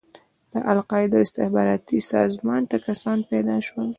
القاعده او استخباراتي سازمان ته کسان پيدا شول.